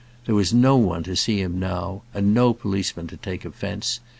There was no one to see him now, and no policeman to take offence.